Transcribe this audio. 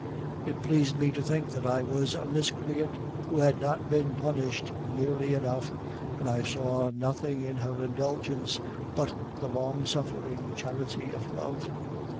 It pleased me to think that I was a miscreant who had not been punished nearly enough, and I saw nothing in her indulgence but the long suffering charity of love.